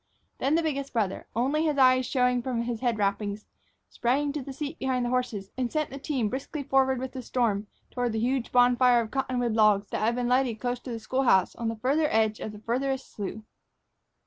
Then the biggest brother, only his eyes showing from his head wrappings, sprang to his seat behind the horses and sent the team briskly forward with the storm toward the huge bonfire of cottonwood logs that had been lighted close to the school house on the farther edge of the farthest slough.